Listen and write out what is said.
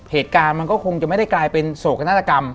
เหตุการณ์มันก็คงจะไม่ได้กลายเป็นโศกนาฏกรรม